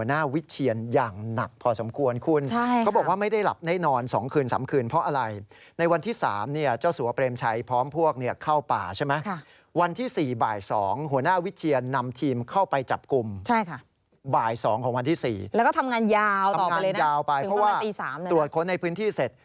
บ่ายสองของวันที่สี่แล้วก็ทำงานยาวต่อไปเลยนะทำงานยาวไปเพราะว่าตรวจค้นในพื้นที่เสร็จ